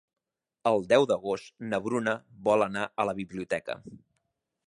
El deu d'agost na Bruna vol anar a la biblioteca.